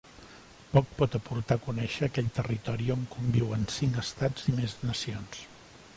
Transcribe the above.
Poc pot aportar conèixer aquell territori on conviuen cinc estats i més nacions.